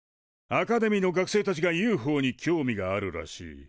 アカデミーの学生たちがＵＦＯに興味があるらしい。